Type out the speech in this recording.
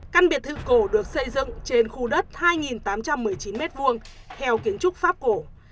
căn biệt thự cổ được xây dựng trên khu đất hai tám trăm một mươi chín m hai theo kiến trúc pháp cổ